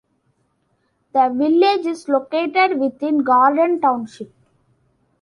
The village is located within Garden Township.